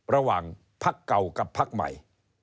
ระหว่างพักเก่ากับพักใหม่